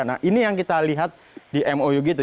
nah ini yang kita lihat di mou gitu